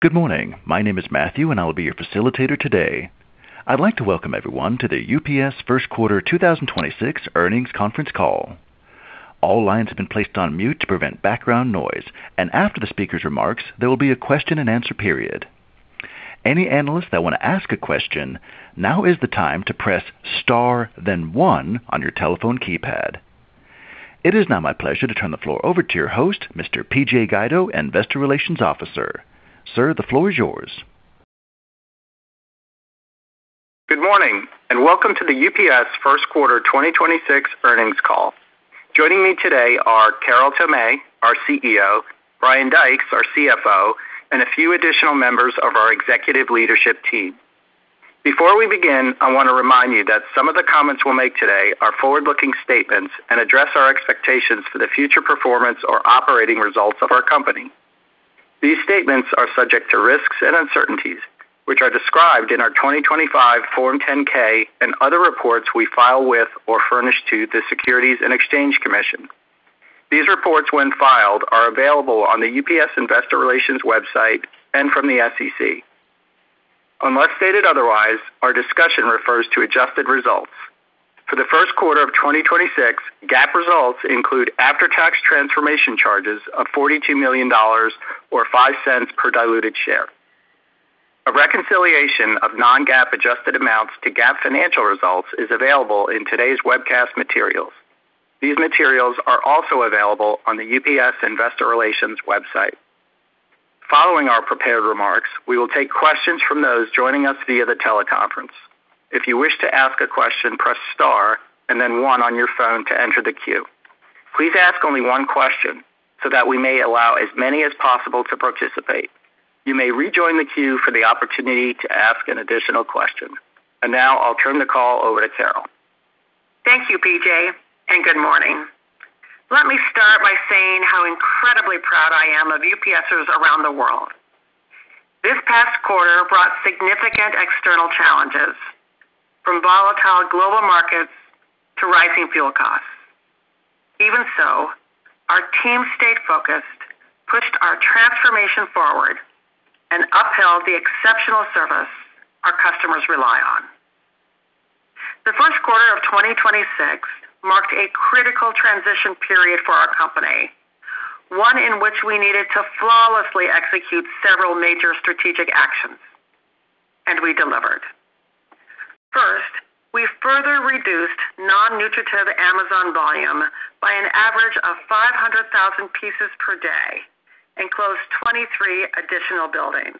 Good morning. My name is Matthew, and I will be your facilitator today. I'd like to welcome everyone to the UPS first quarter 2026 earnings conference call. All lines have been placed on mute to prevent background noise, and after the speaker's remarks, there will be a question-and-answer period. Any analysts that want to ask a question, now is the time to press Star then 1 on your telephone keypad. It is now my pleasure to turn the floor over to your host, Mr. PJ Guido, Investor Relations Officer. Sir, the floor is yours. Good morning and welcome to the UPS first quarter 2026 earnings call. Joining me today are Carol Tomé, our CEO, Brian Dykes, our CFO, and a few additional members of our executive leadership team. Before we begin, I want to remind you that some of the comments we'll make today are forward-looking statements and address our expectations for the future performance or operating results of our company. These statements are subject to risks and uncertainties, which are described in our 2025 Form 10-K and other reports we file with or furnish to the Securities and Exchange Commission. These reports, when filed, are available on the UPS Investor Relations website and from the SEC. Unless stated otherwise, our discussion refers to adjusted results. For the first quarter of 2026, GAAP results include after-tax transformation charges of $42 million or $0.05 per diluted share. A reconciliation of non-GAAP adjusted amounts to GAAP financial results is available in today's webcast materials. These materials are also available on the UPS Investor Relations website. Following our prepared remarks, we will take questions from those joining us via the teleconference. If you wish to ask a question, press star and then 1 on your phone to enter the queue. Please ask only one question so that we may allow as many as possible to participate. You may rejoin the queue for the opportunity to ask an additional question. Now I'll turn the call over to Carol. Thank you, PJ, and good morning. Let me start by saying how incredibly proud I am of UPSers around the world. This past quarter brought significant external challenges, from volatile global markets to rising fuel costs. Even so, our team stayed focused, pushed our transformation forward, and upheld the exceptional service our customers rely on. The first quarter of 2026 marked a critical transition period for our company, one in which we needed to flawlessly execute several major strategic actions, and we delivered. First, we further reduced non-remunerative Amazon volume by an average of 500,000 pieces per day and closed 23 additional buildings.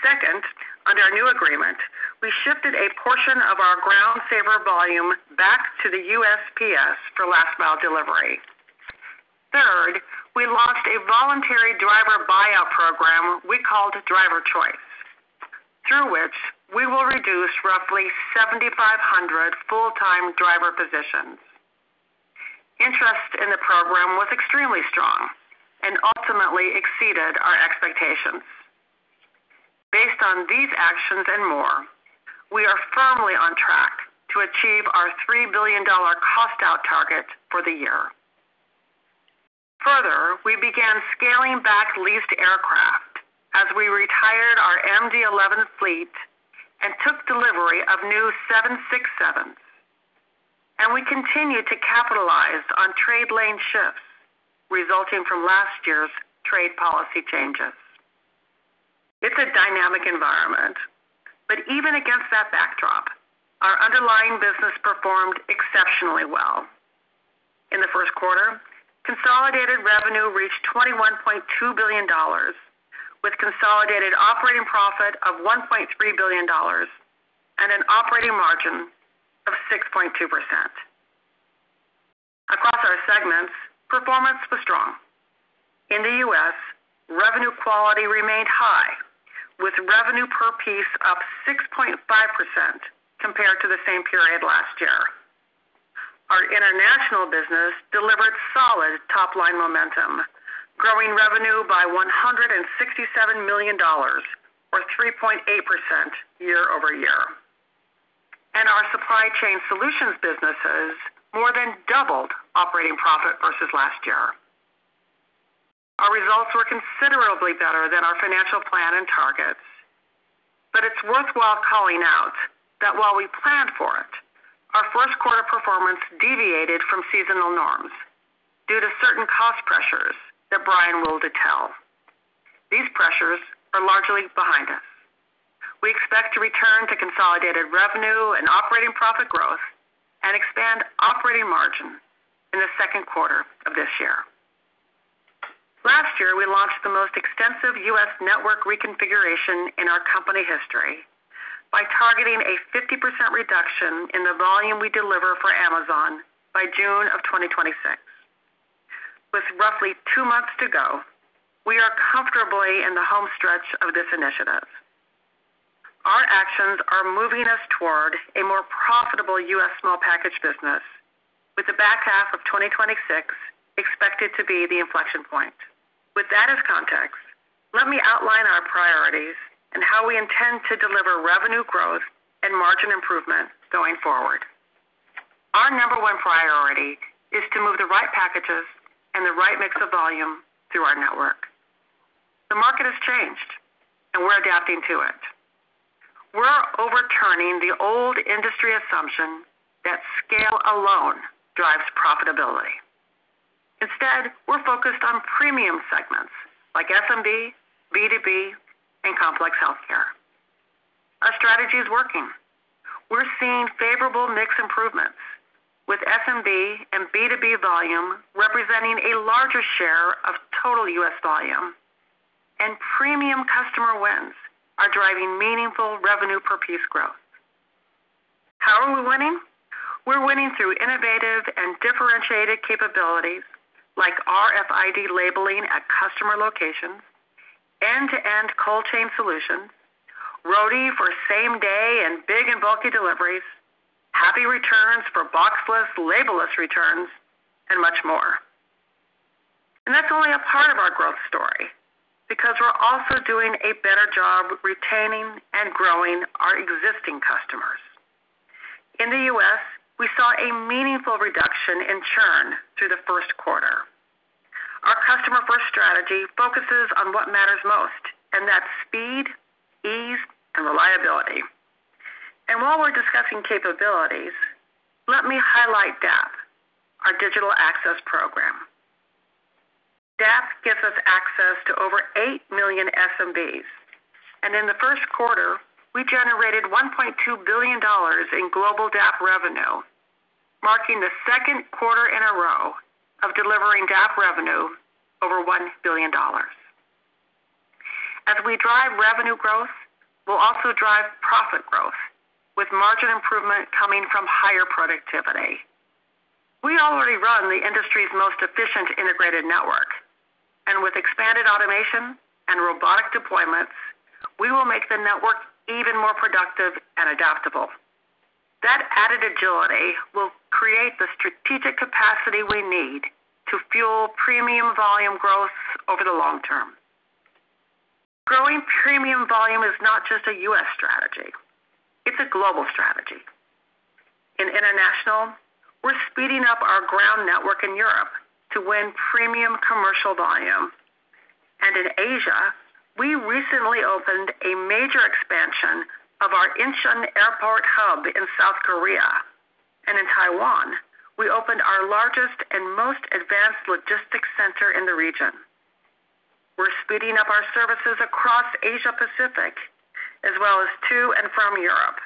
Second, under our new agreement, we shifted a portion of our Ground Saver volume back to the USPS for last mile delivery. We launched a voluntary driver buyout program we called Driver Choice, through which we will reduce roughly 7,500 full-time driver positions. Interest in the program was extremely strong and ultimately exceeded our expectations. Based on these actions and more, we are firmly on track to achieve our $3 billion cost out target for the year. We began scaling back leased aircraft as we retired our MD-11 fleet and took delivery of new 767s. We continued to capitalize on trade lane shifts resulting from last year's trade policy changes. It's a dynamic environment, even against that backdrop, our underlying business performed exceptionally well. In the first quarter, consolidated revenue reached $21.2 billion, with consolidated operating profit of $1.3 billion and an operating margin of 6.2%. Across our segments, performance was strong. In the U.S., revenue quality remained high, with revenue per piece up 6.5% compared to the same period last year. Our international business delivered solid top-line momentum, growing revenue by $167 million or 3.8% year-over-year. Our Supply Chain Solutions businesses more than doubled operating profit versus last year. Our results were considerably better than our financial plan and targets. It is worthwhile calling out that while we planned for it, our first quarter performance deviated from seasonal norms due to certain cost pressures that Brian will detail. These pressures are largely behind us. We expect to return to consolidated revenue and operating profit growth and expand operating margin in the second quarter of this year. Last year, we launched the most extensive U.S. network reconfiguration in our company history by targeting a 50% reduction in the volume we deliver for Amazon by June of 2026. With roughly two months to go, we are comfortably in the homestretch of this initiative. Our actions are moving us toward a more profitable U.S. small package business, with the back half of 2026 expected to be the inflection point. With that as context, let me outline our priorities and how we intend to deliver revenue growth and margin improvement going forward. Packages and the right mix of volume through our network. The market has changed, and we're adapting to it. We're overturning the old industry assumption that scale alone drives profitability. Instead, we're focused on premium segments like SMB, B2B, and complex healthcare. Our strategy is working. We're seeing favorable mix improvements, with SMB and B2B volume representing a larger share of total U.S. volume. Premium customer wins are driving meaningful revenue per piece growth. How are we winning? We're winning through innovative and differentiated capabilities like RFID labeling at customer locations, end-to-end cold chain solutions, Roadie for same-day and big and bulky deliveries, Happy Returns for boxless, label-less returns, and much more. That's only a part of our growth story because we're also doing a better job retaining and growing our existing customers. In the U.S., we saw a meaningful reduction in churn through the first quarter. Our customer-first strategy focuses on what matters most, and that's speed, ease, and reliability. While we're discussing capabilities, let me highlight DAP, our Digital Access Program. DAP gives us access to over 8 million SMBs. In the first quarter, we generated $1.2 billion in global DAP revenue, marking the second quarter in a row of delivering DAP revenue over $1 billion. As we drive revenue growth, we'll also drive profit growth, with margin improvement coming from higher productivity. We already run the industry's most efficient integrated network, and with expanded automation and robotic deployments, we will make the network even more productive and adaptable. That added agility will create the strategic capacity we need to fuel premium volume growth over the long term. Growing premium volume is not just a U.S. strategy. It's a global strategy. In international, we're speeding up our ground network in Europe to win premium commercial volume. In Asia, we recently opened a major expansion of our Incheon Airport hub in South Korea. In Taiwan, we opened our largest and most advanced logistics center in the region. We're speeding up our services across Asia Pacific as well as to and from Europe,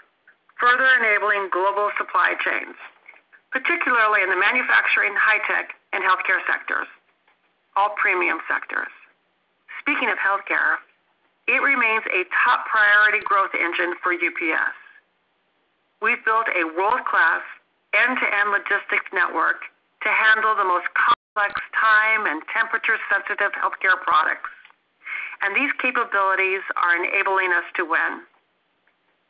further enabling global supply chains, particularly in the manufacturing, high tech, and healthcare sectors, all premium sectors. Speaking of healthcare, it remains a top priority growth engine for UPS. We've built a world-class end-to-end logistics network to handle the most complex time and temperature-sensitive healthcare products, and these capabilities are enabling us to win.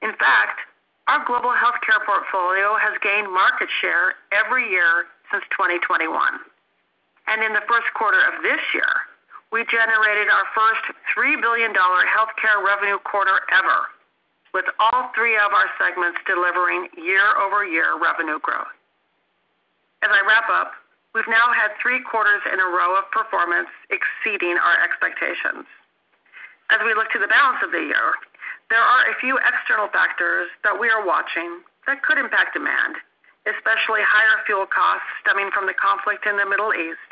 In fact, our global healthcare portfolio has gained market share every year since 2021. In the first quarter of this year, we generated our first $3 billion healthcare revenue quarter ever, with all three of our segments delivering year-over-year revenue growth. As I wrap up, we've now had three quarters in a row of performance exceeding our expectations. We look to the balance of the year, there are a few external factors that we are watching that could impact demand, especially higher fuel costs stemming from the conflict in the Middle East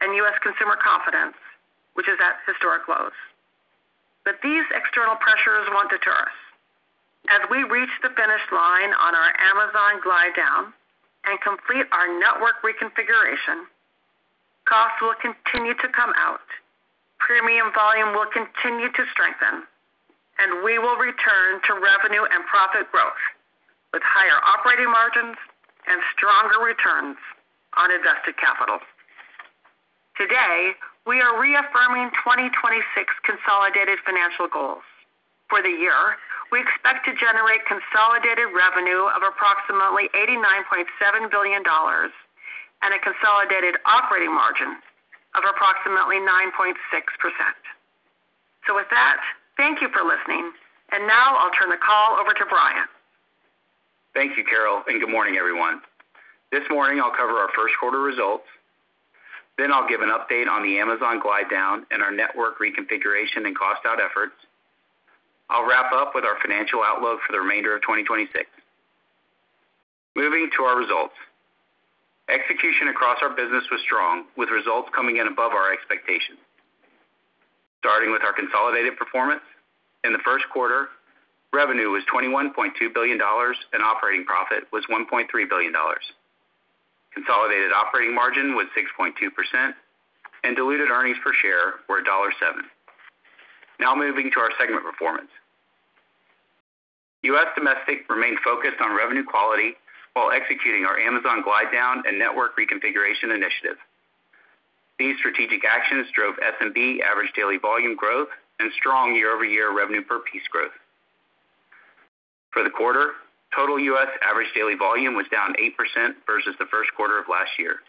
and U.S. consumer confidence, which is at historic lows. These external pressures won't deter us. We reach the finish line on our Amazon glide down and complete our network reconfiguration, costs will continue to come out, premium volume will continue to strengthen, and we will return to revenue and profit growth with higher operating margins and stronger returns on invested capital. Today, we are reaffirming 2026 consolidated financial goals. For the year, we expect to generate consolidated revenue of approximately $89.7 billion and a consolidated operating margin of approximately 9.6%. With that, thank you for listening. Now I'll turn the call over to Brian. Thank you, Carol. Good morning, everyone. This morning I'll cover our first quarter results. I'll give an update on the Amazon glide down and our network reconfiguration and cost out efforts. I'll wrap up with our financial outlook for the remainder of 2026. Moving to our results. Execution across our business was strong, with results coming in above our expectations. Starting with our consolidated performance. In the first quarter, revenue was $21.2 billion and operating profit was $1.3 billion. Consolidated operating margin was 6.2% and diluted earnings per share were $7.00. Moving to our segment performance. U.S. Domestic remained focused on revenue quality while executing our Amazon glide down and network reconfiguration initiative. These strategic actions drove SMB average daily volume growth and strong year-over-year revenue per piece growth. For the quarter, total U.S. average daily volume was down 8% versus the first quarter of last year.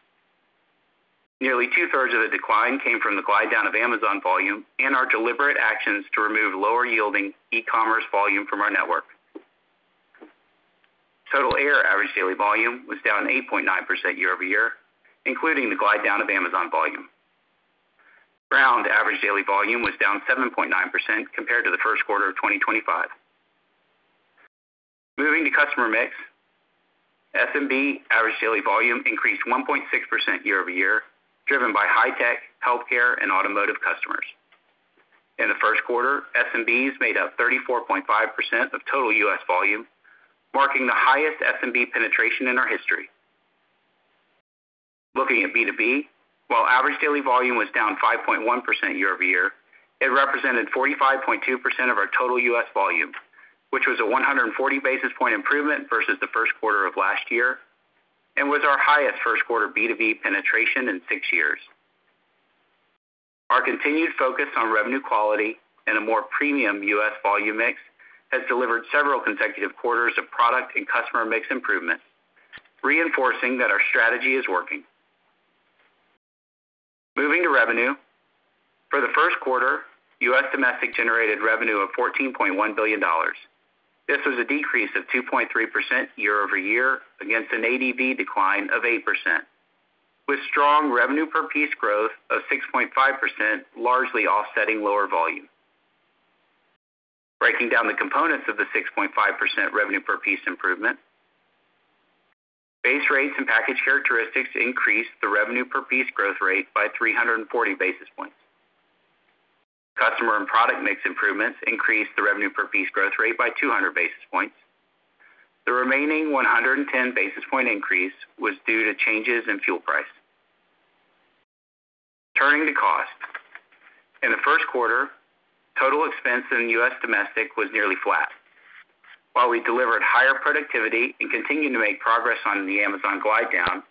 Nearly 2/3 of the decline came from the glide down of Amazon volume and our deliberate actions to remove lower-yielding e-commerce volume from our network. Total air average daily volume was down 8.9% year-over-year, including the glide down of Amazon volume. Ground average daily volume was down 7.9% compared to the first quarter of 2025. Moving to customer mix, SMB average daily volume increased 1.6% year-over-year, driven by high tech, healthcare, and automotive customers. In the first quarter, SMBs made up 34.5% of total U.S. volume, marking the highest SMB penetration in our history. Looking at B2B, while average daily volume was down 5.1% year-over-year, it represented 45.2% of our total U.S. volume, which was a 140 basis point improvement versus the first quarter of last year and was our highest first quarter B2B penetration in six years. Our continued focus on revenue quality and a more premium U.S. volume mix has delivered several consecutive quarters of product and customer mix improvements, reinforcing that our strategy is working. Moving to revenue. For the first quarter, U.S. Domestic generated revenue of $14.1 billion. This was a decrease of 2.3% year-over-year against an ADV decline of 8%, with strong revenue per piece growth of 6.5%, largely offsetting lower volume. Breaking down the components of the 6.5% revenue per piece improvement. Base rates and package characteristics increased the revenue per piece growth rate by 340 basis points. Customer and product mix improvements increased the revenue per piece growth rate by 200 basis points. The remaining 110 basis point increase was due to changes in fuel price. Turning to cost. In the first quarter, total expense in U.S. Domestic was nearly flat. While we delivered higher productivity and continued to make progress on the Amazon glide down,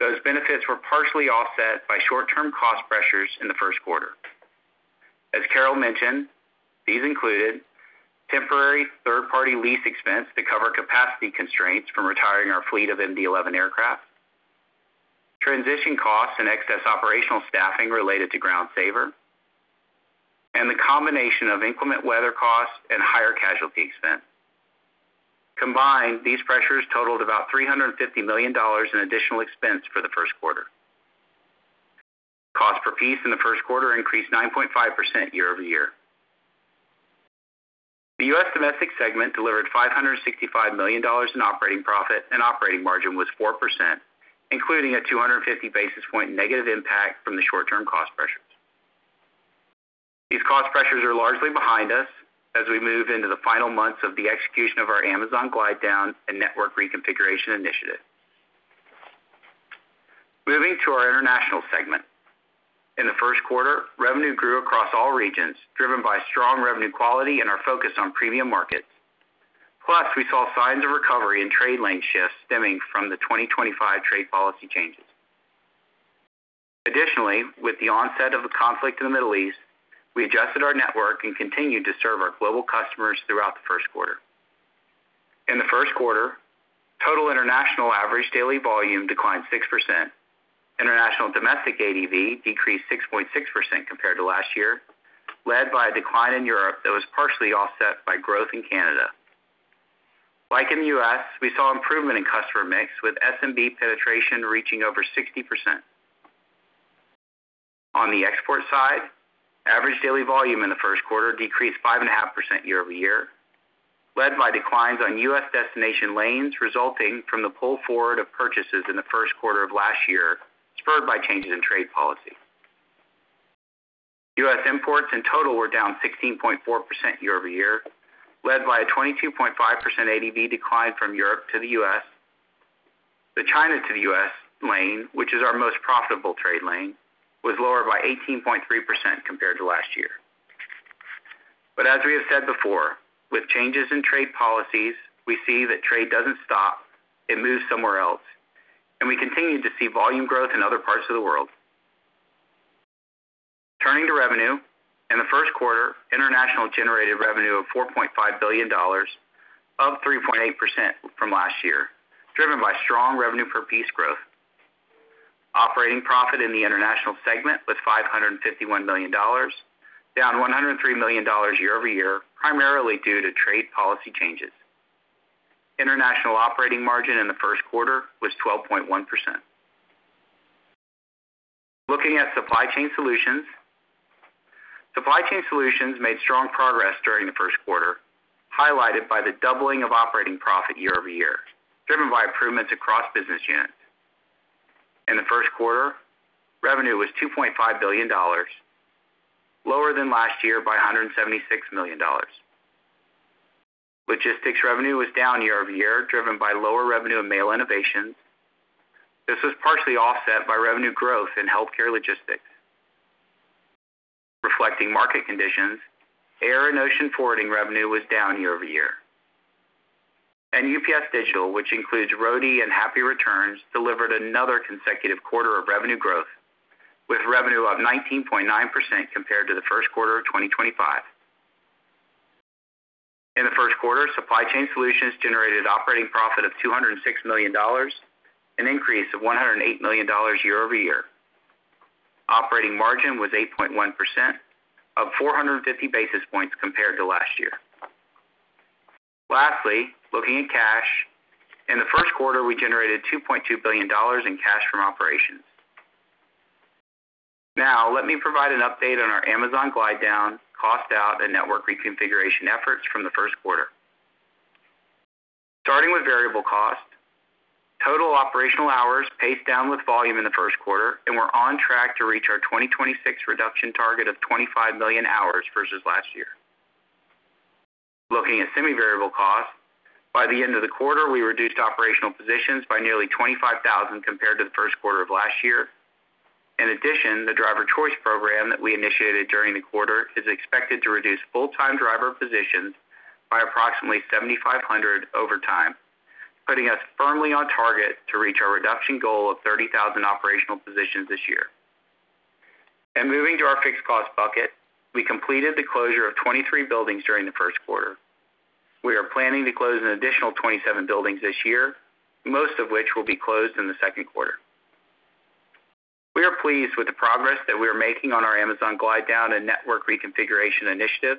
those benefits were partially offset by short-term cost pressures in the first quarter. As Carol mentioned, these included temporary third-party lease expense to cover capacity constraints from retiring our fleet of MD-11 aircraft, transition costs and excess operational staffing related to Ground Saver, and the combination of inclement weather costs and higher casualty expense. Combined, these pressures totaled about $350 million in additional expense for the first quarter. Cost per piece in the first quarter increased 9.5% year-over-year. The U.S. Domestic segment delivered $565 million in operating profit, and operating margin was 4%, including a 250 basis point negative impact from the short-term cost pressures. These cost pressures are largely behind us as we move into the final months of the execution of our Amazon glide down and network reconfiguration initiative. Moving to our International Segment. In the first quarter, revenue grew across all regions, driven by strong revenue quality and our focus on premium markets. We saw signs of recovery in trade lane shifts stemming from the 2025 trade policy changes. Additionally, with the onset of the conflict in the Middle East, we adjusted our network and continued to serve our global customers throughout the first quarter. In the first quarter, total international average daily volume declined 6%. International domestic ADV decreased 6.6% compared to last year, led by a decline in Europe that was partially offset by growth in Canada. Like in the U.S., we saw improvement in customer mix, with SMB penetration reaching over 60%. On the export side, average daily volume in the first quarter decreased 5.5% year-over-year, led by declines on U.S. destination lanes resulting from the pull forward of purchases in the first quarter of last year, spurred by changes in trade policy. U.S. imports in total were down 16.4% year-over-year, led by a 22.5% ADV decline from Europe to the U.S. The China to the U.S. lane, which is our most profitable trade lane, was lower by 18.3% compared to last year. As we have said before, with changes in trade policies, we see that trade doesn't stop. It moves somewhere else, we continue to see volume growth in other parts of the world. Turning to revenue. In the first quarter, International generated revenue of $4.5 billion, up 3.8% from last year, driven by strong revenue per piece growth. Operating profit in the International segment was $551 million, down $103 million year-over-year, primarily due to trade policy changes. International operating margin in the first quarter was 12.1%. Looking at Supply Chain Solutions. Supply Chain Solutions made strong progress during the first quarter, highlighted by the doubling of operating profit year-over-year, driven by improvements across business units. In the first quarter, revenue was $2.5 billion, lower than last year by $176 million. Logistics revenue was down year-over-year, driven by lower revenue in Mail Innovations. This was partially offset by revenue growth in healthcare logistics. Reflecting market conditions, air and ocean forwarding revenue was down year-over-year. UPS Digital, which includes Roadie and Happy Returns, delivered another consecutive quarter of revenue growth, with revenue up 19.9% compared to the first quarter of 2025. In the first quarter, Supply Chain Solutions generated operating profit of $206 million, an increase of $108 million year-over-year. Operating margin was 8.1%, up 450 basis points compared to last year. Lastly, looking at cash. In the first quarter, we generated $2.2 billion in cash from operations. Let me provide an update on our Amazon glide down, cost out, and network reconfiguration efforts from the first quarter. Starting with variable cost, total operational hours paced down with volume in the first quarter, and we're on track to reach our 2026 reduction target of 25 million hours versus last year. Looking at semi-variable costs, by the end of the quarter, we reduced operational positions by nearly 25,000 compared to the first quarter of last year. The Driver Choice Program that we initiated during the quarter is expected to reduce full-time driver positions by approximately 7,500 over time, putting us firmly on target to reach our reduction goal of 30,000 operational positions this year. Moving to our fixed cost bucket, we completed the closure of 23 buildings during the first quarter. We are planning to close an additional 27 buildings this year, most of which will be closed in the second quarter. We are pleased with the progress that we are making on our Amazon glide down and network reconfiguration initiative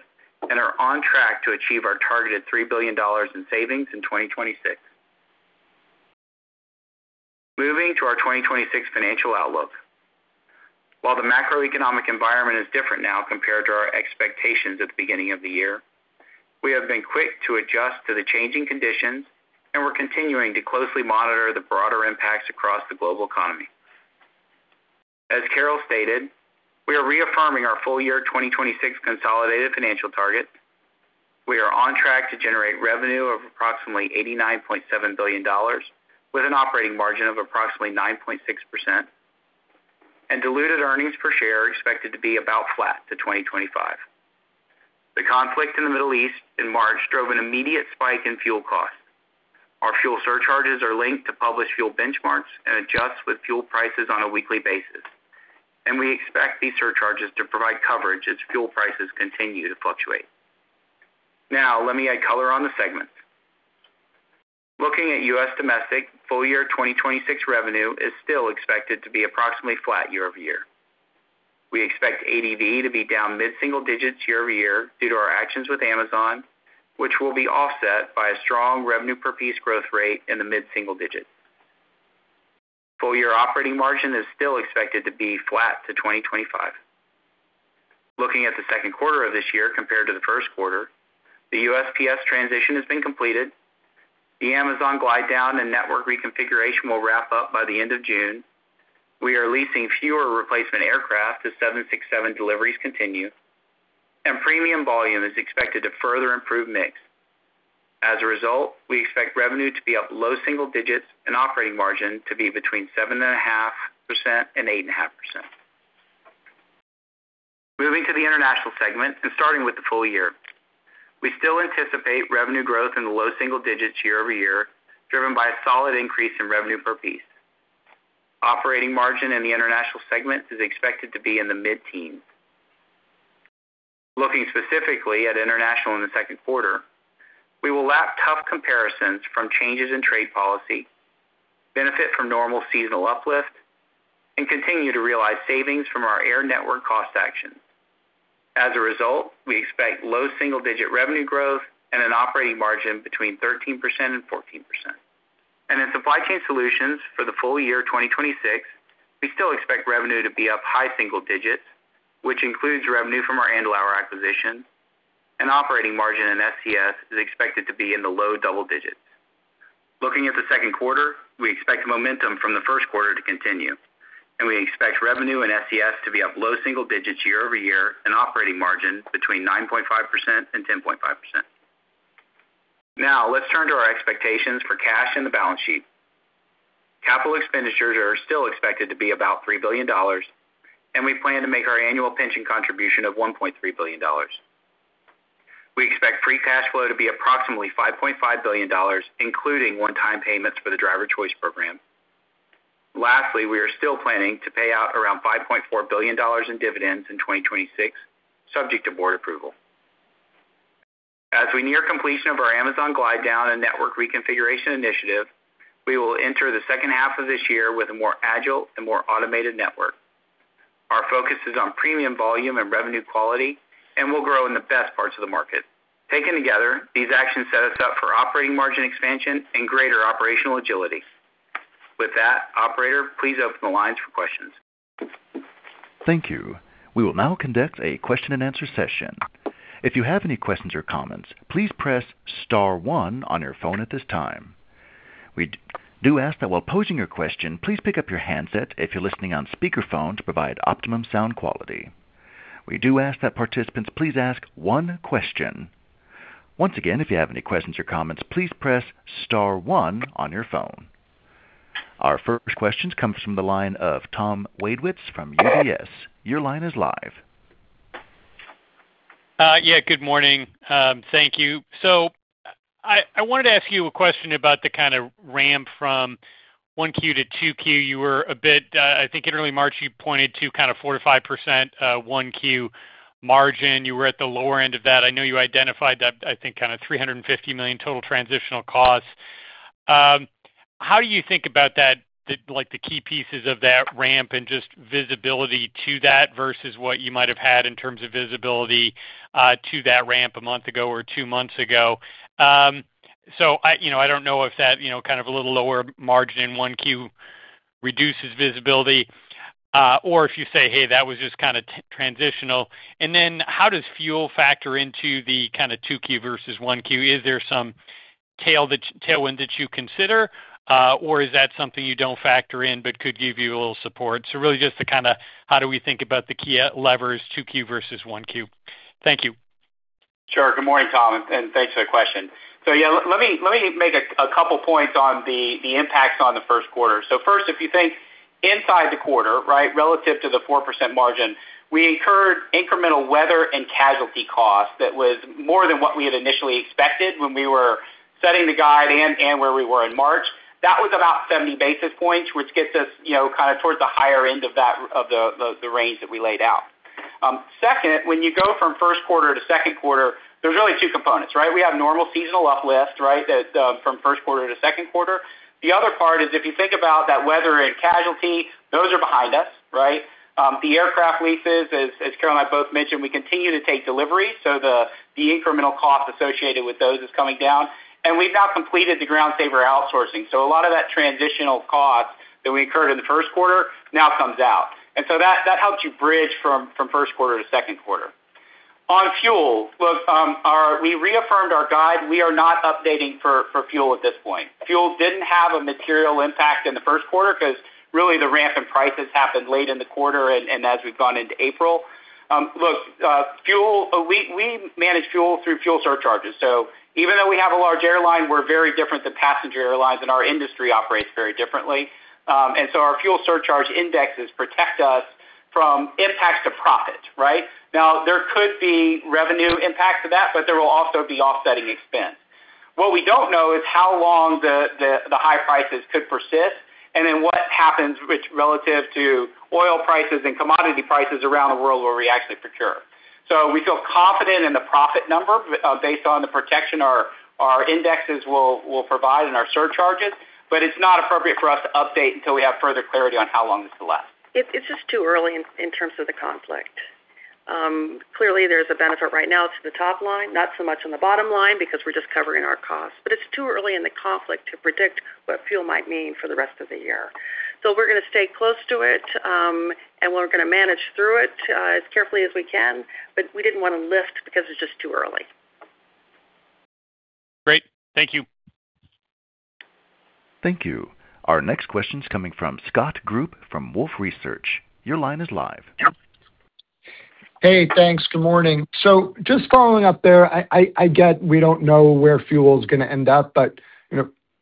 and are on track to achieve our targeted $3 billion in savings in 2026. Moving to our 2026 financial outlook. While the macroeconomic environment is different now compared to our expectations at the beginning of the year, we have been quick to adjust to the changing conditions, and we're continuing to closely monitor the broader impacts across the global economy. As Carol stated, we are reaffirming our full-year 2026 consolidated financial targets. We are on track to generate revenue of approximately $89.7 billion with an operating margin of approximately 9.6%. Diluted earnings per share are expected to be about flat to 2025. The conflict in the Middle East in March drove an immediate spike in fuel costs. Our fuel surcharges are linked to published fuel benchmarks and adjust with fuel prices on a weekly basis. We expect these surcharges to provide coverage as fuel prices continue to fluctuate. Now let me add color on the segments. Looking at U.S. Domestic, full year 2026 revenue is still expected to be approximately flat year-over-year. We expect ADV to be down mid-single digits year-over-year due to our actions with Amazon, which will be offset by a strong revenue per piece growth rate in the mid-single digits. Full year operating margin is still expected to be flat to 2025. Looking at the second quarter of this year compared to the first quarter, the USPS transition has been completed. The Amazon glide down and network reconfiguration will wrap up by the end of June. We are leasing fewer replacement aircraft as 767 deliveries continue, and premium volume is expected to further improve mix. As a result, we expect revenue to be up low single digits and operating margin to be between 7.5% and 8.5%. Moving to the International segment, starting with the full year. We still anticipate revenue growth in the low single digits year-over-year, driven by a solid increase in revenue per piece. Operating margin in the International segment is expected to be in the mid-teens. Looking specifically at International in the second quarter, we will lap tough comparisons from changes in trade policy, benefit from normal seasonal uplift, and continue to realize savings from our air network cost actions. As a result, we expect low single-digit revenue growth and an operating margin between 13% and 14%. In Supply Chain Solutions for the full year 2026, we still expect revenue to be up high single digits, which includes revenue from our Andlauer acquisition. Operating margin in SCS is expected to be in the low double digits. Looking at the second quarter, we expect momentum from the first quarter to continue, and we expect revenue in SCS to be up low single digits year-over-year and operating margin between 9.5% and 10.5%. Now let's turn to our expectations for cash and the balance sheet. Capital expenditures are still expected to be about $3 billion, and we plan to make our annual pension contribution of $1.3 billion. We expect free cash flow to be approximately $5.5 billion, including one-time payments for the Driver Choice Program. Lastly, we are still planning to pay out around $5.4 billion in dividends in 2026, subject to board approval. As we near completion of our Amazon glide down and network reconfiguration initiative, we will enter the second half of this year with a more agile and more automated network. Our focus is on premium volume and revenue quality, and we'll grow in the best parts of the market. Taken together, these actions set us up for operating margin expansion and greater operational agility. With that, operator, please open the lines for questions. Thank you. We will now conduct a question and answer session. If you have any questions or comments, please press star one on your phone at this time. We do ask that while posing your question, please pick up your handset if you're listening on speakerphone to provide optimum sound quality. We do ask that participants please ask one question. Once again, if you have any questions or comments, please press star one on your phone. Our first question comes from the line of Tom Wadewitz from UBS. Your line is live. Yeah, good morning. Thank you. I wanted to ask you a question about the kind of ramp from 1Q to 2Q. You were a bit, I think in early March, you pointed to kind of 4%-5%, 1Q margin. You were at the lower end of that. I know you identified that, I think, kind of $350 million total transitional costs. How do you think about that, the key pieces of that ramp and just visibility to that versus what you might have had in terms of visibility to that ramp a month ago or two months ago? I, you know, I don't know if that, you know, kind of a little lower margin in 1Q reduces visibility or if you say, hey, that was just kinda transitional. How does fuel factor into the kinda 2Q versus 1Q? Is there some tailwind that you consider or is that something you don't factor in but could give you a little support? Really just to kinda how do we think about the key levers, 2Q versus 1Q. Thank you. Sure. Good morning, Tom, and thanks for the question. Yeah, let me make a couple points on the impacts on the first quarter. First, if you think inside the quarter, right? Relative to the 4% margin, we incurred incremental weather and casualty costs that was more than what we had initially expected when we were setting the guide and where we were in March. That was about 70 basis points, which gets us, you know, kind of towards the higher end of the range that we laid out. Second, when you go from first quarter to second quarter, there's really two components, right? We have normal seasonal uplift, right, that from first quarter to second quarter. The other part is if you think about that weather and casualty, those are behind us, right? The aircraft leases, as Carol and I both mentioned, we continue to take deliveries, so the incremental cost associated with those is coming down. We've now completed the Ground Saver outsourcing, so a lot of that transitional cost that we incurred in the first quarter now comes out. That helps you bridge from first quarter to second quarter. On fuel, look, we reaffirmed our guide. We are not updating for fuel at this point. Fuel didn't have a material impact in the first quarter because really the ramp in prices happened late in the quarter and as we've gone into April. Look, fuel, we manage fuel through fuel surcharges. Even though we have a large airline, we're very different than passenger airlines, and our industry operates very differently. Our fuel surcharge indexes protect us from impacts to profit, right? There could be revenue impact to that, but there will also be offsetting expense. What we don't know is how long the high prices could persist and then what happens with relative to oil prices and commodity prices around the world where we actually procure. We feel confident in the profit number based on the protection our indexes will provide and our surcharges, but it's not appropriate for us to update until we have further clarity on how long this will last. It's just too early in terms of the conflict. Clearly there's a benefit right now to the top line, not so much on the bottom line because we're just covering our costs. It's too early in the conflict to predict what fuel might mean for the rest of the year. We're gonna stay close to it, and we're gonna manage through it as carefully as we can, but we didn't wanna lift because it's just too early. Great. Thank you. Thank you. Our next question's coming from Scott Group from Wolfe Research. Your line is live. Hey, thanks. Good morning. Just following up there, I get we don't know where fuel's gonna end up, but, you know, in a,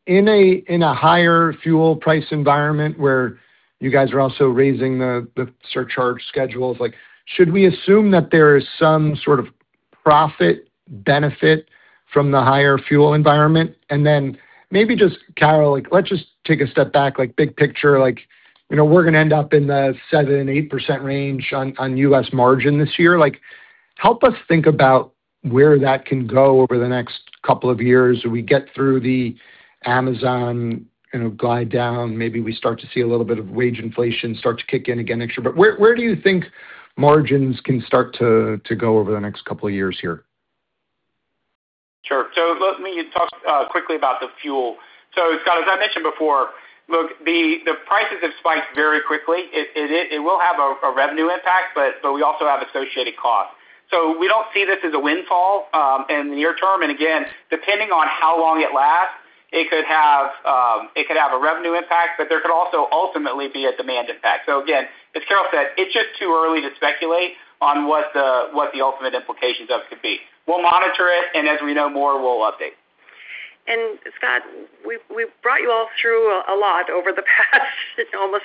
in a higher fuel price environment where you guys are also raising the surcharge schedules, like should we assume that there is some sort of profit benefit from the higher fuel environment? Maybe just Carol, like let's just take a step back, like big picture, like, you know, we're gonna end up in the 7%-8% range on U.S. margin this year. Help us think about where that can go over the next couple of years. Do we get through the Amazon, you know, guide down? Maybe we start to see a little bit of wage inflation start to kick in again next year. Where do you think margins can start to go over the next couple of years here? Sure. Let me talk quickly about the fuel. Scott, as I mentioned before, look, the prices have spiked very quickly. It will have a revenue impact, but we also have associated costs. We don't see this as a windfall in the near term. Again, depending on how long it lasts, it could have a revenue impact, but there could also ultimately be a demand impact. Again, as Carol said, it's just too early to speculate on what the ultimate implications could be. We'll monitor it, and as we know more, we'll update. Scott, we've brought you all through a lot over the past almost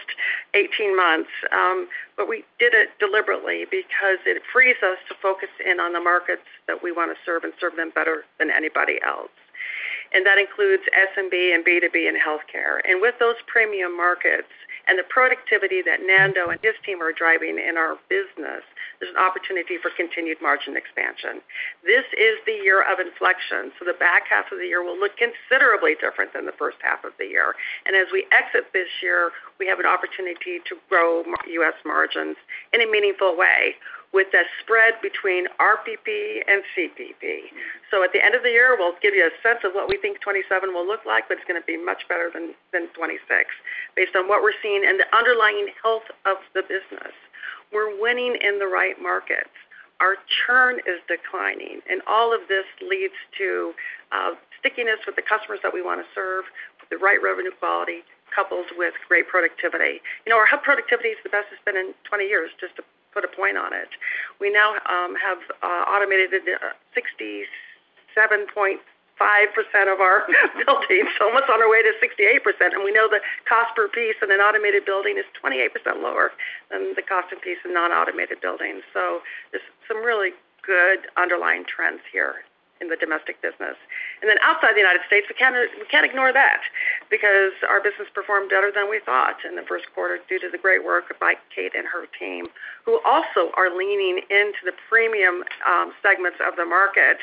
18 months. But we did it deliberately because it frees us to focus in on the markets that we wanna serve and serve them better than anybody else. That includes SMB and B2B and Healthcare. With those premium markets and the productivity that Nando and his team are driving in our business, there's an opportunity for continued margin expansion. This is the year of inflection, so the back half of the year will look considerably different than the first half of the year. As we exit this year, we have an opportunity to grow U.S. margins in a meaningful way with the spread between RPP and CPP. At the end of the year, we'll give you a sense of what we think 2027 will look like, but it's gonna be much better than 2026 based on what we're seeing and the underlying health of the business. We're winning in the right markets. Our churn is declining, all of this leads to stickiness with the customers that we wanna serve, with the right revenue quality, coupled with great productivity. You know, our hub productivity is the best it's been in 20 years, just to put a point on it. We now have automated the 67.5% of our buildings, almost on our way to 68%. We know the cost per piece in an automated building is 28% lower than the cost per piece in non-automated buildings. There's some really good underlying trends here. In the domestic business. Outside the United States, we can't, we can't ignore that because our business performed better than we thought in the 1st quarter due to the great work by Kate and her team, who also are leaning into the premium segments of the market.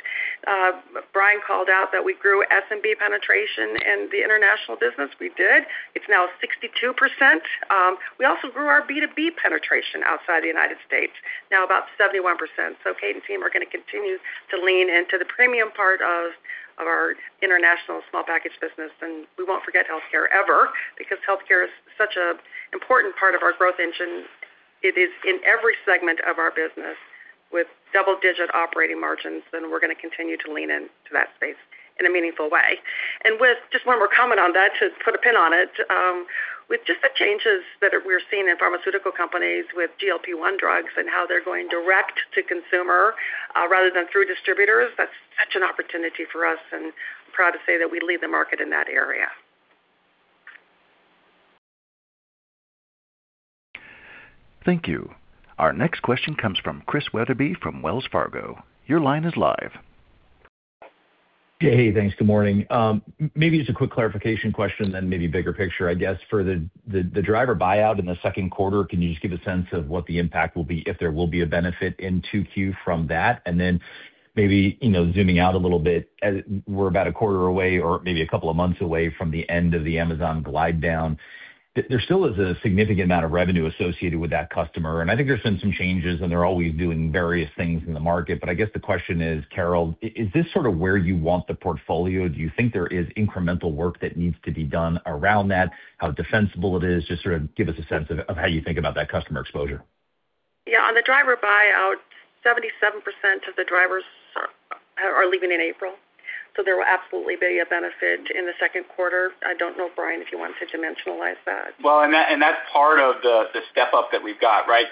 Brian called out that we grew SMB penetration in the international business. We did. It's now 62%. We also grew our B2B penetration outside the United States, now about 71%. Kate and team are gonna continue to lean into the premium part of our international small package business. We won't forget healthcare ever because healthcare is such a important part of our growth engine. It is in every segment of our business with double-digit operating margins, and we're going to continue to lean into that space in a meaningful way. With just one more comment on that, to put a pin on it, with just the changes that we're seeing in pharmaceutical companies with GLP-1 drugs and how they're going direct to consumer, rather than through distributors, that's such an opportunity for us, and I'm proud to say that we lead the market in that area. Thank you. Our next question comes from Chris Wetherbee from Wells Fargo & Company. Your line is live. Thanks. Good morning. Maybe just a quick clarification question, then maybe bigger picture, I guess, for the driver buyout in the second quarter. Can you just give a sense of what the impact will be, if there will be a benefit in 2Q from that? Maybe, you know, zooming out a little bit, as we're about a quarter away or maybe a couple of months away from the end of the Amazon glide down, there still is a significant amount of revenue associated with that customer. I think there's been some changes, and they're always doing various things in the market. I guess the question is, Carol, is this sort of where you want the portfolio? Do you think there is incremental work that needs to be done around that, how defensible it is? Just sort of give us a sense of how you think about that customer exposure. On the driver buyout, 77% of the drivers are leaving in April, so there will absolutely be a benefit in the second quarter. I don't know, Brian, if you want to dimensionalize that. Well, and that's part of the step up that we've got, right?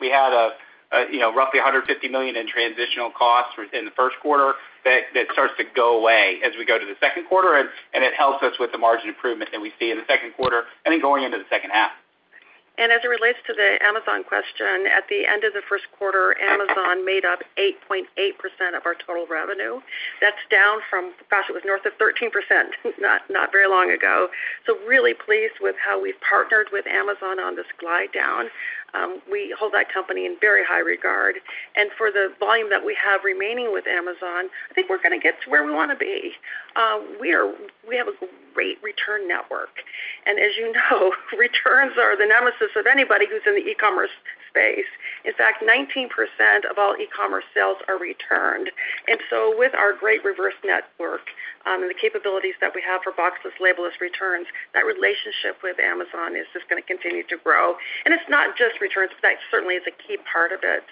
We had a, you know, roughly $150 million in transitional costs in the first quarter that starts to go away as we go to the second quarter, and it helps us with the margin improvement that we see in the second quarter and then going into the second half. As it relates to the Amazon question, at the end of the first quarter, Amazon made up 8.8% of our total revenue. That's down from, gosh, it was north of 13% not very long ago. Really pleased with how we've partnered with Amazon on this glide down. We hold that company in very high regard. For the volume that we have remaining with Amazon, I think we're gonna get to where we wanna be. We have a great return network. As you know, returns are the nemesis of anybody who's in the e-commerce space. In fact, 19% of all e-commerce sales are returned. With our great reverse network, and the capabilities that we have for boxless, labeless returns, that relationship with Amazon is just gonna continue to grow. It's not just returns, but that certainly is a key part of it.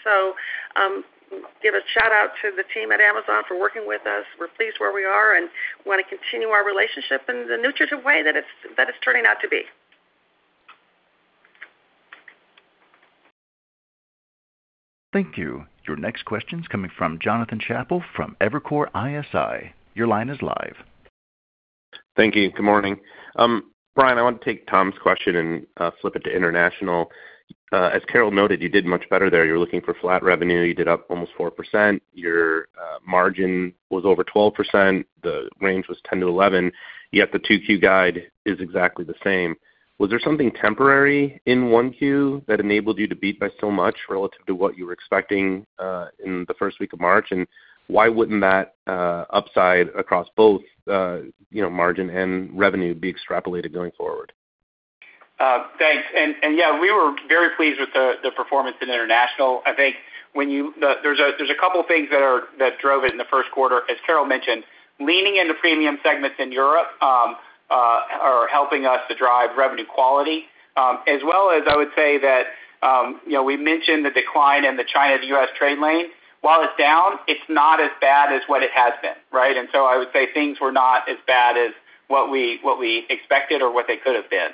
Give a shout out to the team at Amazon for working with us. We're pleased where we are and wanna continue our relationship in the remunerative way that it's turning out to be. Thank you. Your next question's coming from Jonathan Chappell from Evercore ISI. Your line is live. Thank you. Good morning. Brian, I want to take Tom's question and flip it to International. As Carol noted, you did much better there. You were looking for flat revenue. You did up almost 4%. Your margin was over 12%. The range was 10%-11%. Yet the 2Q guide is exactly the same. Was there something temporary in 1Q that enabled you to beat by so much relative to what you were expecting in the first week of March? Why wouldn't that upside across both margin and revenue be extrapolated going forward? Thanks. And yeah, we were very pleased with the performance in International. I think when you there's a couple things that drove it in the first quarter. As Carol mentioned, leaning into premium segments in Europe are helping us to drive revenue quality. As well as I would say that, you know, we mentioned the decline in the China to U.S. trade lane. While it's down, it's not as bad as what it has been, right? I would say things were not as bad as what we, what we expected or what they could have been.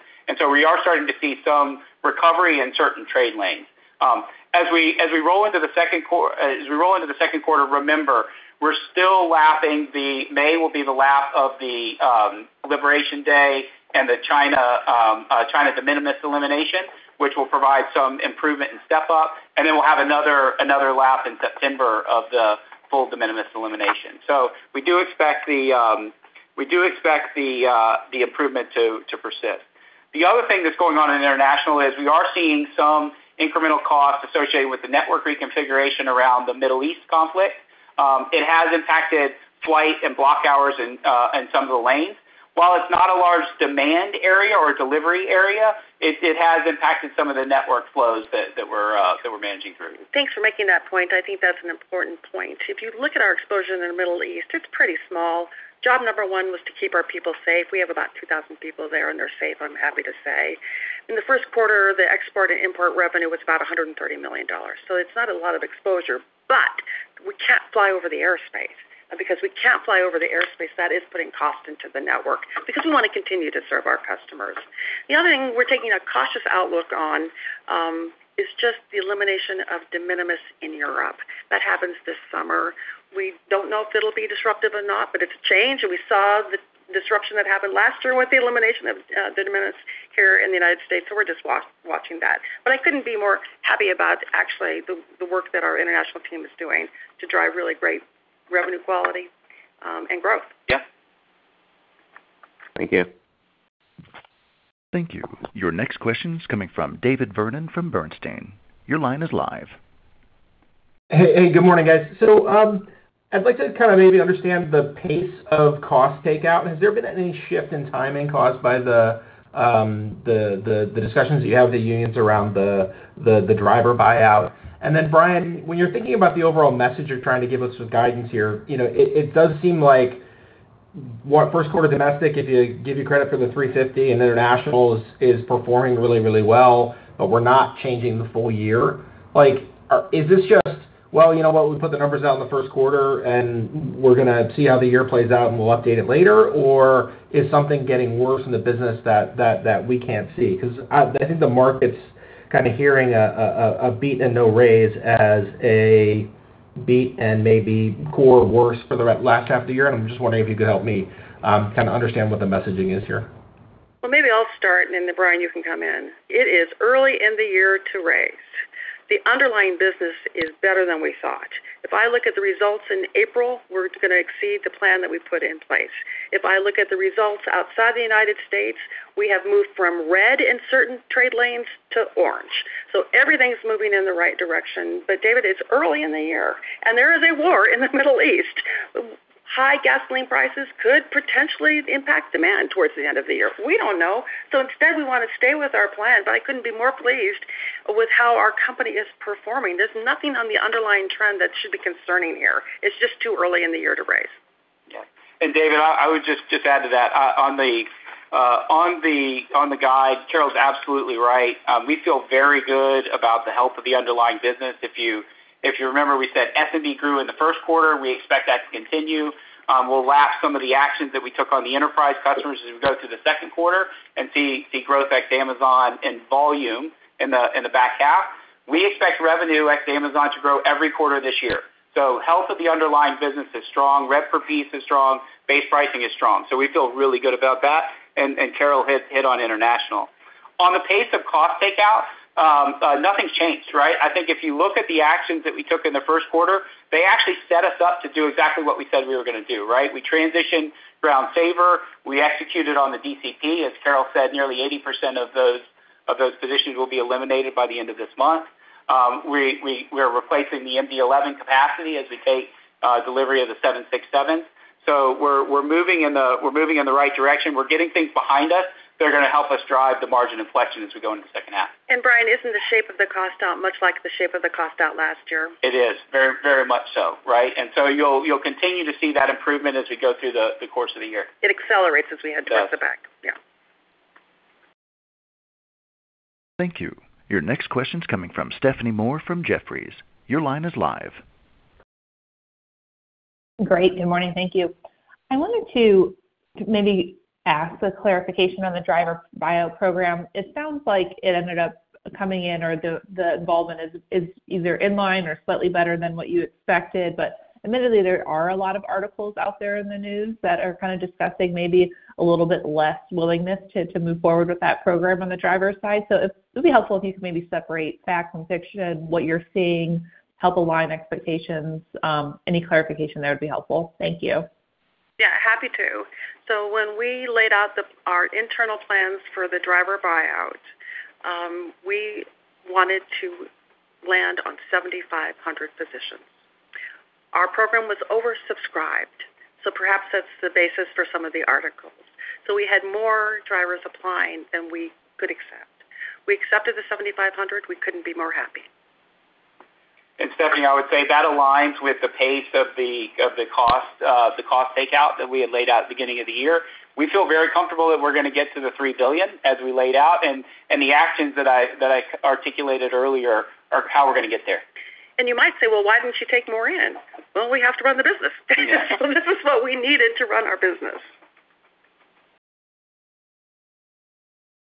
We are starting to see some recovery in certain trade lanes. As we roll into the second quarter, remember, we're still lapping the May will be the lap of the Labor Day and the China de minimis elimination, which will provide some improvement and step up. Then we'll have another lap in September of the full de minimis elimination. We do expect the improvement to persist. The other thing that's going on in International is we are seeing some incremental costs associated with the network reconfiguration around the Middle East conflict. It has impacted flight and block hours in some of the lanes. While it's not a large demand area or delivery area, it has impacted some of the network flows that we're managing through. Thanks for making that point. I think that's an important point. If you look at our exposure in the Middle East, it's pretty small. Job number one was to keep our people safe. We have about 2,000 people there, and they're safe, I'm happy to say. In the first quarter, the export and import revenue was about $130 million. It's not a lot of exposure, but we can't fly over the airspace. Because we can't fly over the airspace, that is putting cost into the network because we wanna continue to serve our customers. The other thing we're taking a cautious outlook on is just the elimination of de minimis in Europe. That happens this summer. We don't know if it'll be disruptive or not, but it's a change. We saw the disruption that happened last year with the elimination of de minimis here in the United States. We're just watching that. I couldn't be more happy about actually the work that our international team is doing to drive really great revenue quality and growth. Yeah. Thank you. Thank you. Your next question's coming from David Vernon from Bernstein. Your line is live. Hey, good morning, guys. I'd like to kind of maybe understand the pace of cost takeout. Has there been any shift in timing caused by the discussions you have with the unions around the driver buyout? Brian, when you're thinking about the overall message you're trying to give us with guidance here, you know, it does seem like what first quarter domestic, if you give you credit for the $350 and International is performing really well, but we're not changing the full year. Like, is this just, well, you know what? We put the numbers out in the first quarter, and we're gonna see how the year plays out, and we'll update it later. Is something getting worse in the business that we can't see? Cause I think the market's kind of hearing a beat and no raise as a beat and maybe core worse for the last half of the year. I'm just wondering if you could help me, kind of understand what the messaging is here. Maybe I'll start, and then Brian, you can come in. It is early in the year to raise. The underlying business is better than we thought. If I look at the results in April, we're gonna exceed the plan that we put in place. If I look at the results outside the United States, we have moved from red in certain trade lanes to orange. Everything's moving in the right direction. David, it's early in the year, and there is a war in the Middle East. High gasoline prices could potentially impact demand towards the end of the year. We don't know. Instead, we wanna stay with our plan, but I couldn't be more pleased with how our company is performing. There's nothing on the underlying trend that should be concerning here. It's just too early in the year to raise. Yeah. David, I would just add to that. On the guide, Carol is absolutely right. We feel very good about the health of the underlying business. If you remember, we said SMB grew in the first quarter. We expect that to continue. We'll lap some of the actions that we took on the enterprise customers as we go through the second quarter and see growth ex Amazon in volume in the back half. We expect revenue ex Amazon to grow every quarter this year. Health of the underlying business is strong. Rev per piece is strong. Base pricing is strong. We feel really good about that. Carol hit on International. On the pace of cost takeout, nothing's changed, right? I think if you look at the actions that we took in the first quarter, they actually set us up to do exactly what we said we were gonna do, right? We transitioned UPS Ground Saver. We executed on the DCP. As Carol said, nearly 80% of those positions will be eliminated by the end of this month. We're replacing the MD-11 capacity as we take delivery of the 767s. We're moving in the right direction. We're getting things behind us that are gonna help us drive the margin inflection as we go into the second half. Brian, isn't the shape of the cost out much like the shape of the cost out last year? It is, very, very much so. Right? You'll continue to see that improvement as we go through the course of the year. It accelerates as we head to the back. Yeah. Thank you. Your next question's coming from Stephanie Moore from Jefferies. Your line is live. Great. Good morning. Thank you. I wanted to maybe ask a clarification on the Driver Choice Program. It sounds like it ended up coming in or the involvement is either in line or slightly better than what you expected. Admittedly, there are a lot of articles out there in the news that are kind of discussing maybe a little bit less willingness to move forward with that program on the driver side. It'd be helpful if you could maybe separate fact from fiction, what you're seeing, help align expectations. Any clarification there would be helpful. Thank you. Yeah, happy to. When we laid out our internal plans for the driver buyout, we wanted to land on 7,500 positions. Our program was oversubscribed, perhaps that's the basis for some of the articles. We had more drivers applying than we could accept. We accepted the 7,500. We couldn't be more happy. Stephanie, I would say that aligns with the pace of the, of the cost, the cost takeout that we had laid out at the beginning of the year. We feel very comfortable that we're gonna get to the $3 billion as we laid out. The actions that I articulated earlier are how we're gonna get there. You might say, well, why don't you take more in? Well, we have to run the business. This is what we needed to run our business.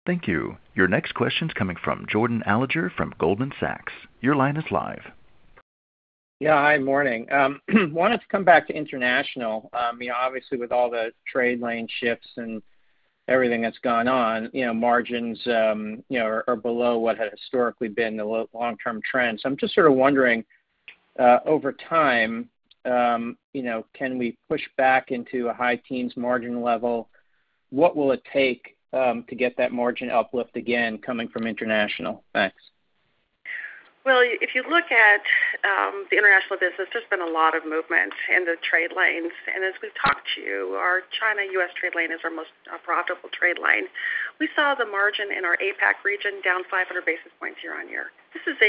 Thank you. Your next question's coming from Jordan Alliger from Goldman Sachs. Yeah, hi, morning. I wanted to come back to International. You know, obviously with all the trade lane shifts and everything that's gone on, margins are below what had historically been the long-term trend. I'm just sort of wondering, over time, you know, can we push back into a high teens margin level? What will it take to get that margin uplift again coming from International? Thanks. Well, if you look at the international business, there's been a lot of movement in the trade lanes. As we've talked to you, our China-U.S. trade lane is our most profitable trade lane. We saw the margin in our APAC region down 500 basis points year-on-year. This is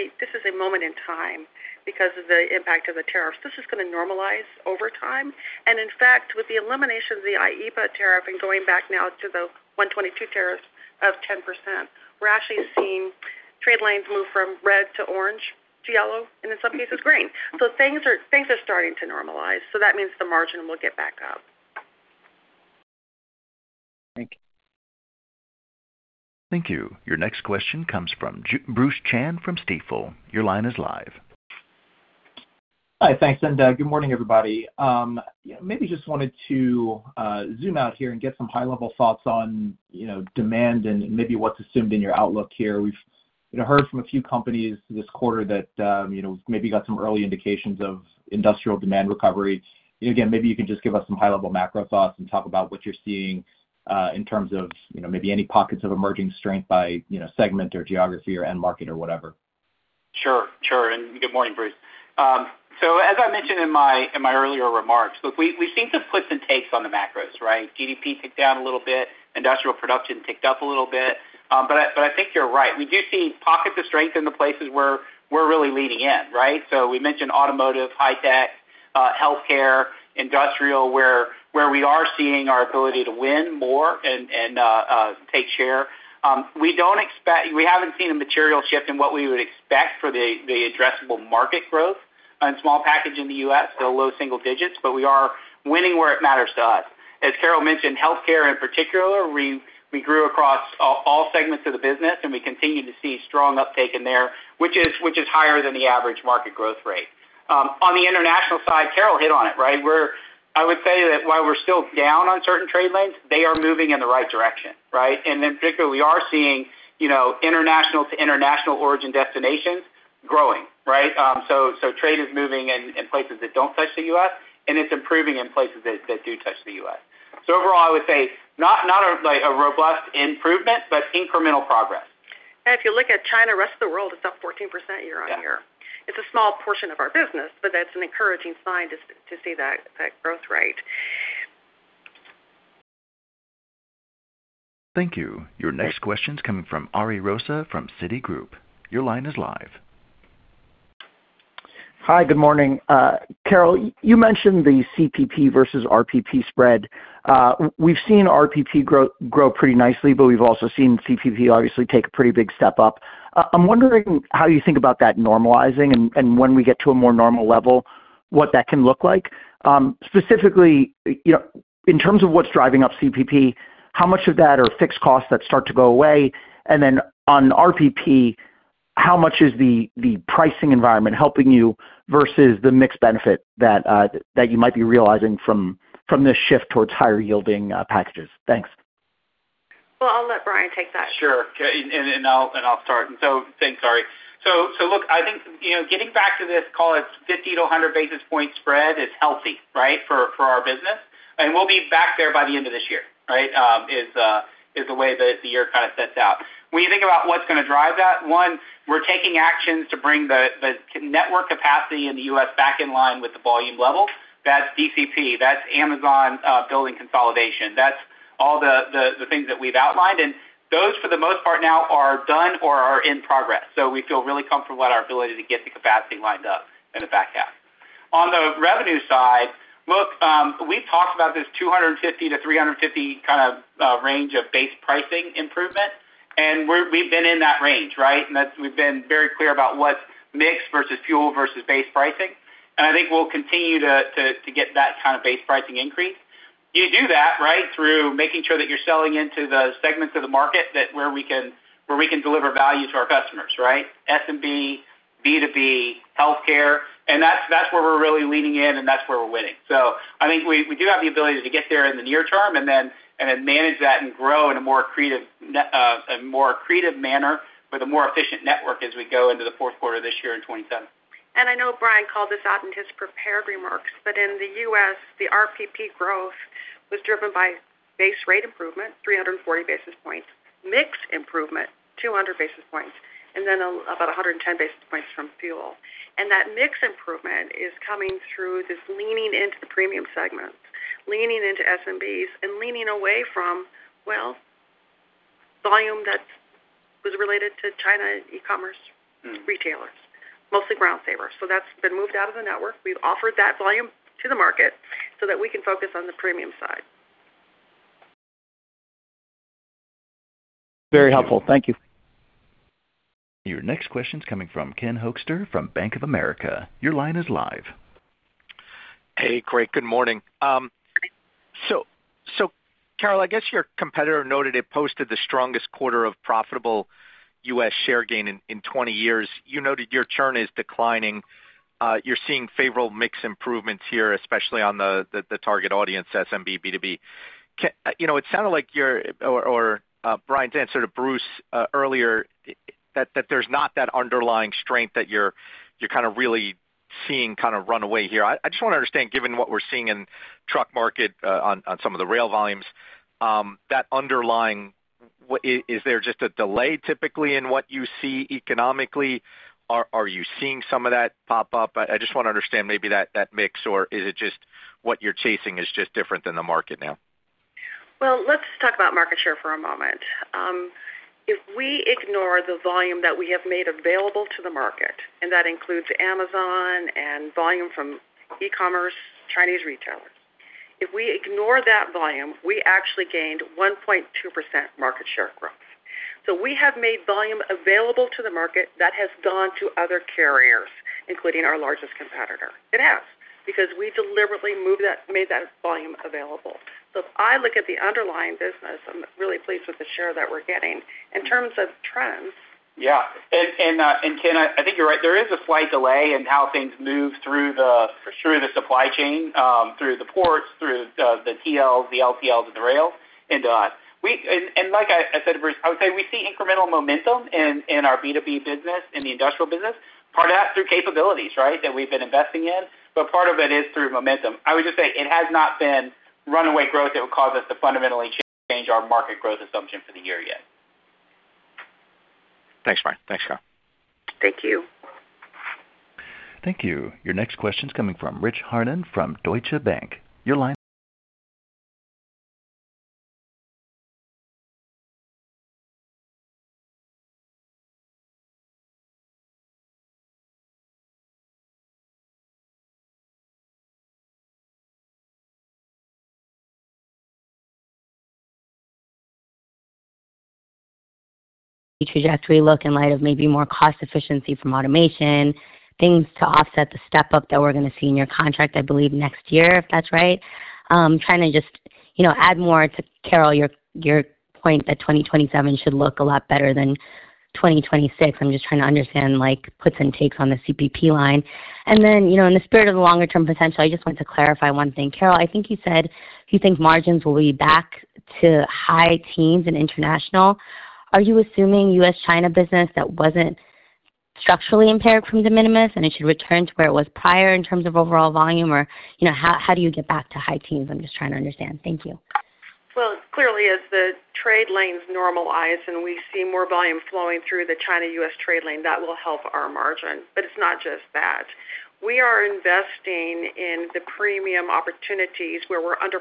a moment in time because of the impact of the tariffs. This is gonna normalize over time. In fact, with the elimination of the IEEPA tariff and going back now to the 122 tariff of 10%, we're actually seeing trade lanes move from red to orange to yellow, and in some cases green. Things are starting to normalize. That means the margin will get back up. Thank you. Thank you. Your next question comes from Bruce Chan from Stifel. Your line is live. Hi, thanks, and good morning, everybody. Maybe just wanted to zoom out here and get some high-level thoughts on, you know, demand and maybe what's assumed in your outlook here. You know, heard from a few companies this quarter that, you know, maybe got some early indications of industrial demand recovery. Maybe you can just give us some high-level macro thoughts and talk about what you're seeing, in terms of, you know, maybe any pockets of emerging strength by, you know, segment or geography or end market or whatever. Sure. Sure. Good morning, Bruce. As I mentioned in my earlier remarks, look, we've seen some puts and takes on the macros, right? GDP ticked down a little bit. Industrial production ticked up a little bit. I think you're right. We do see pockets of strength in the places where we're really leaning in, right? We mentioned automotive, high-tech, healthcare, industrial, where we are seeing our ability to win more and take share. We haven't seen a material shift in what we would expect for the addressable market growth on small package in the U.S., still low single digits, but we are winning where it matters to us. As Carol mentioned, healthcare in particular, we grew across all segments of the business, and we continue to see strong uptake in there, which is higher than the average market growth rate. On the International side, Carol hit on it, right? I would say that while we're still down on certain trade lanes, they are moving in the right direction, right? In particular, we are seeing, you know, International to International origin destinations growing, right? Trade is moving in places that don't touch the U.S., and it's improving in places that do touch the U.S. Overall, I would say not a, like, a robust improvement, but incremental progress. If you look at China, rest of the world, it's up 14% year-on-year. Yeah. It's a small portion of our business, that's an encouraging sign to see that growth rate. Thank you. Your next question's coming from Ariel Rosa from Citigroup. Your line is live. Hi. Good morning. Carol, you mentioned the CPP versus RPP spread. We've seen RPP grow pretty nicely, but we've also seen CPP obviously take a pretty big step up. I'm wondering how you think about that normalizing and when we get to a more normal level, what that can look like. Specifically, you know, in terms of what's driving up CPP, how much of that are fixed costs that start to go away? And then on RPP, how much is the pricing environment helping you versus the mixed benefit that you might be realizing from this shift towards higher yielding packages? Thanks. Well, I'll let Brian take that. Sure. Thanks, Ariel. I think, you know, getting back to this, call it 50 to 100 basis points spread is healthy, right, for our business. We'll be back there by the end of this year, right? Is the way the year kind of sets out. When you think about what's going to drive that, one, we're taking actions to bring the network capacity in the U.S. back in line with the volume level. That's DCP. That's Amazon building consolidation. That's all the things that we've outlined, and those, for the most part now are done or are in progress. We feel really comfortable at our ability to get the capacity lined up in the back half. On the revenue side, look, we've talked about this 250-350 basis points kind of range of base pricing improvement, and we've been in that range, right? That's, we've been very clear about what's mix versus fuel versus base pricing. I think we'll continue to get that kind of base pricing increase. You do that, right, through making sure that you're selling into the segments of the market that where we can, where we can deliver value to our customers, right? SMB, B2B, healthcare, that's where we're really leaning in, and that's where we're winning. I think we do have the ability to get there in the near term and then manage that and grow in a more accretive manner with a more efficient network as we go into the fourth quarter this year in 2027. I know Brian Dykes called this out in his prepared remarks, but in the U.S., the RPP growth was driven by base rate improvement, 340 basis points. Mix improvement, 200 basis points, and then about 110 basis points from fuel. That mix improvement is coming through this leaning into the premium segments, leaning into SMBs, and leaning away from, well, volume that was related to China e-commerce retailers, mostly UPS Ground Saver. That's been moved out of the network. We've offered that volume to the market so that we can focus on the premium side. Very helpful. Thank you. Your next question's coming from Ken Hoexter from Bank of America. Your line is live. Hey, great. Good morning. Carol, I guess your competitor noted it posted the strongest quarter of profitable U.S. share gain in 20 years. You noted your churn is declining. You're seeing favorable mix improvements here, especially on the target audience SMB B2B. You know, it sounded like your or Brian's answer to Bruce earlier that there's not that underlying strength that you're really seeing run away here. I just want to understand, given what we're seeing in truck market, on some of the rail volumes, that underlying, is there just a delay typically in what you see economically? Are you seeing some of that pop up? I just want to understand maybe that mix, or is it just what you're chasing is just different than the market now? Well, let's talk about market share for a moment. If we ignore the volume that we have made available to the market, and that includes Amazon and volume from e-commerce, Chinese retailers. If we ignore that volume, we actually gained 1.2% market share growth. We have made volume available to the market that has gone to other carriers, including our largest competitor. It has, because we deliberately moved that, made that volume available. If I look at the underlying business, I'm really pleased with the share that we're getting in terms of trends. Yeah. Ken, I think you're right. There is a slight delay in how things move through the supply chain, through the ports, through the TL, the LTLs and the rails. Like I said, Bruce, I would say we see incremental momentum in our B2B business, in the industrial business. Part of that's through capabilities, right, that we've been investing in, but part of it is through momentum. I would just say it has not been runaway growth that would cause us to fundamentally change our market growth assumption for the year yet. Thanks, Brian. Thanks, Carol. Thank you. Thank you. Your next question is coming from Richa Harnain from Deutsche Bank. trajectory look in light of maybe more cost efficiency from automation, things to offset the step up that we're gonna see in your contract, I believe, next year, if that's right. Trying to just, you know, add more to Carol, your point that 2027 should look a lot better than 2026. I'm just trying to understand, like, puts and takes on the CPP line. Then, you know, in the spirit of the longer term potential, I just want to clarify one thing. Carol, I think you said you think margins will be back to high teens in International. Are you assuming U.S. China business that wasn't structurally impaired from de minimis, and it should return to where it was prior in terms of overall volume? You know, how do you get back to high teens? I'm just trying to understand. Thank you. Well, clearly, as the trade lanes normalize and we see more volume flowing through the China-U.S. trade lane, that will help our margin. It's not just that. We are investing in the premium opportunities where we're under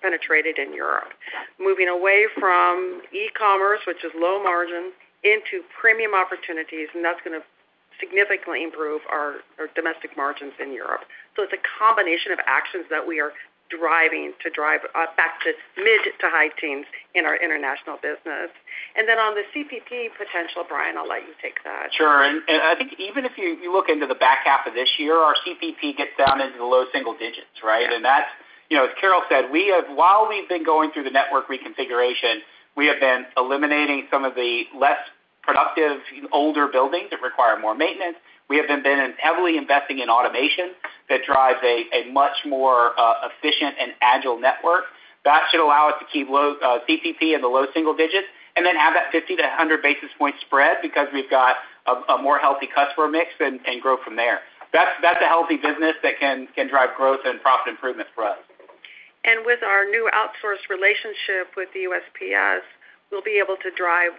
penetrated in Europe, moving away from e-commerce, which is low margin, into premium opportunities, and that's going to significantly improve our domestic margins in Europe. It's a combination of actions that we are driving to drive us back to mid to high teens in our international business. On the CPP potential, Brian, I'll let you take that. Sure. I think even if you look into the back half of this year, our CPP gets down into the low single digits, right? That's, you know, as Carol said, while we've been going through the network reconfiguration, we have been eliminating some of the less productive older buildings that require more maintenance. We have been heavily investing in automation that drives a much more efficient and agile network. That should allow us to keep low CPP in the low single digits and then have that 50 to 100 basis point spread because we've got a more healthy customer mix and grow from there. That's a healthy business that can drive growth and profit improvements for us. With our new outsource relationship with the USPS, we'll be able to drive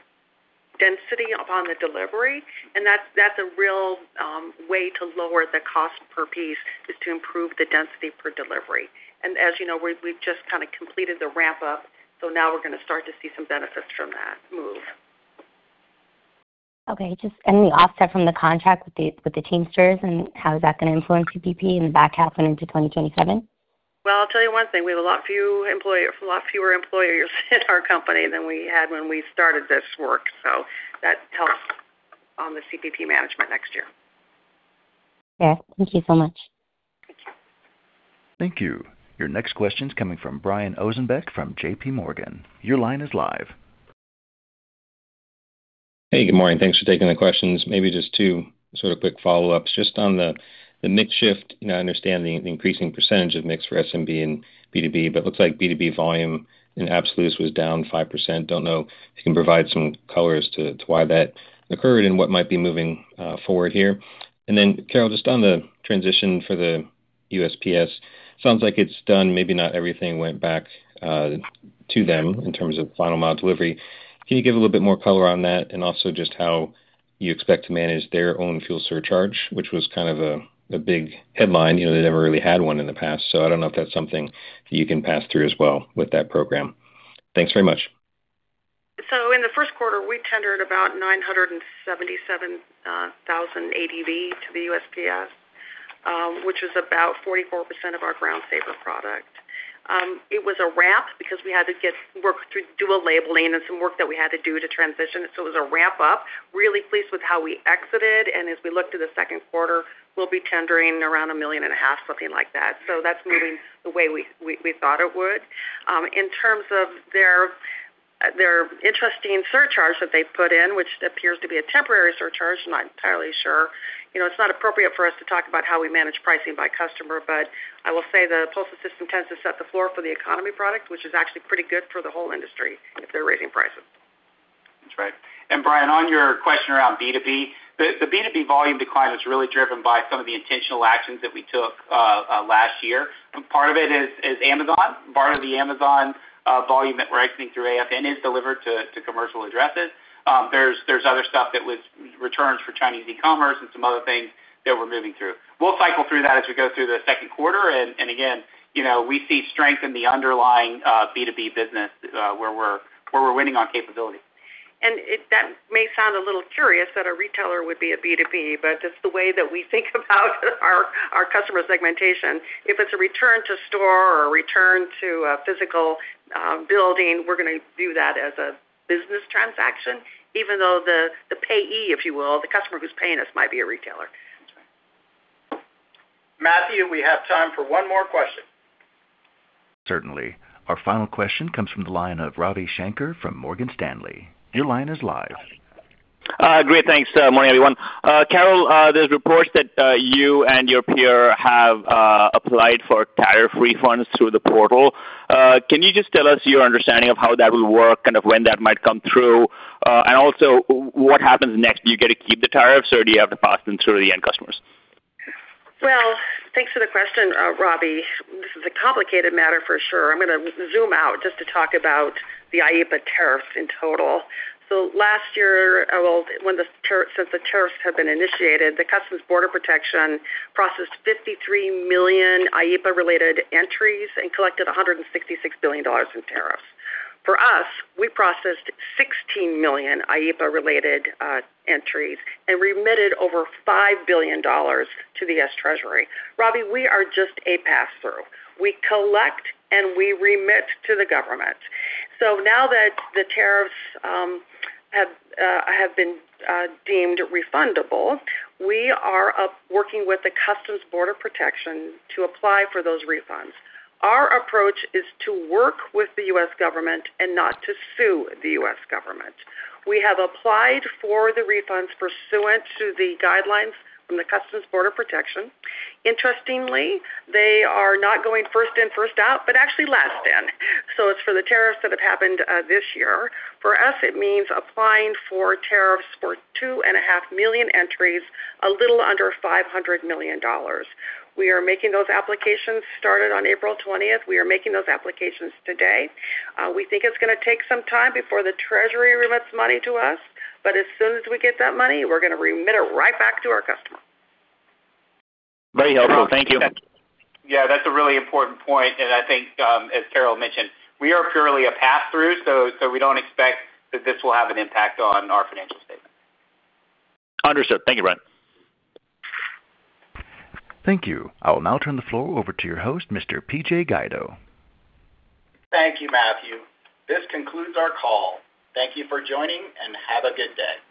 density upon the delivery. That's a real way to lower the cost per piece, is to improve the density per delivery. As you know, we've just kinda completed the ramp up, so now we're gonna start to see some benefits from that move. Okay. Just any offset from the contract with the Teamsters, how is that gonna influence CPP in the back half and into 2027? Well, I'll tell you one thing. We have a lot fewer employees in our company than we had when we started this work. That helps on the CPP management next year. Yeah. Thank you so much. Thank you. Your next question's coming from Brian Ossenbeck from JPMorgan. Your line is live. Hey, good morning. Thanks for taking the questions. Maybe just two sorta quick follow-ups. Just on the mix shift, you know, I understand the increasing percentage of mix for SMB and B2B, but looks like B2B volume in absolutes was down 5%. Don't know if you can provide some color as to why that occurred and what might be moving forward here. Then, Carol, just on the transition for the USPS, sounds like it's done. Maybe not everything went back to them in terms of final mile delivery. Can you give a little bit more color on that and also just how you expect to manage their own fuel surcharge, which was kind of a big headline. You know, they never really had one in the past. I don't know if that's something you can pass through as well with that program. Thanks very much. In the first quarter, we tendered about 977,000 ADV to the USPS, which is about 44% of our Ground Saver product. It was a wrap because we had to get work through dual labeling and some work that we had to do to transition. It was a wrap up. Really pleased with how we exited. As we look to the second quarter, we'll be tendering around 1.5 million, something like that. That's moving the way we thought it would. In terms of their interesting surcharge that they put in, which appears to be a temporary surcharge, I'm not entirely sure, you know, it's not appropriate for us to talk about how we manage pricing by customer, but I will say the postal system tends to set the floor for the economy product, which is actually pretty good for the whole industry if they're raising prices. That's right. Brian, on your question around B2B, the B2B volume decline is really driven by some of the intentional actions that we took last year. Part of it is Amazon. Part of the Amazon volume that we're exiting through AFN is delivered to commercial addresses. There's other stuff that was returns for Chinese e-commerce and some other things that we're moving through. We'll cycle through that as we go through the second quarter. Again, you know, we see strength in the underlying B2B business where we're winning on capability. That may sound a little curious that a retailer would be a B2B, but it's the way that we think about our customer segmentation. If it's a return to store or a return to a physical building, we're gonna do that as a business transaction even though the payee, if you will, the customer who's paying us, might be a retailer. That's right. Matthew, we have time for one more question. Certainly. Our final question comes from the line of Ravi Shanker from Morgan Stanley. Your line is live. Great. Thanks. Morning, everyone. Carol, there's reports that you and your peer have applied for tariff refunds through the portal. Can you just tell us your understanding of how that will work, kind of when that might come through? Also what happens next? Do you get to keep the tariffs, or do you have to pass them through to the end customers? Well, thanks for the question, Ravi. This is a complicated matter for sure. I'm gonna zoom out just to talk about the IEEPA tariff in total. Last year, well, since the tariffs have been initiated, the Customs Border Protection processed 53 million IEEPA related entries and collected $166 billion in tariffs. For us, we processed 16 million IEEPA related entries and remitted over $5 billion to the U.S. Treasury. Ravi, we are just a pass-through. We collect, and we remit to the government. Now that the tariffs have been deemed refundable, we are working with the Customs Border Protection to apply for those refunds. Our approach is to work with the U.S. government and not to sue the U.S. government. We have applied for the refunds pursuant to the guidelines from the U.S. Customs and Border Protection. They are not going first in, first out, but actually last in. It's for the tariffs that have happened this year. It means applying for tariffs for 2.5 million entries, a little under $500 million. We are making those applications started on April 20. We are making those applications today. We think it's going to take some time before the Treasury remits money to us, but as soon as we get that money, we are going to remit it right back to our customer. Very helpful. Thank you. Yeah, that's a really important point. I think, as Carol mentioned, we are purely a pass-through, so we don't expect that this will have an impact on our financial statement. Understood. Thank you, Brian. Thank you. I will now turn the floor over to your host, Mr. PJ Guido. Thank you, Matthew. This concludes our call. Thank you for joining, and have a good day.